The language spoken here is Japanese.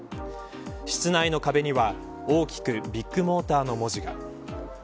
室内の壁には大きくビッグモーターの文字が。